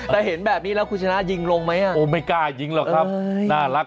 ถัดหน้านี้ยิงออกยิงฉลาบ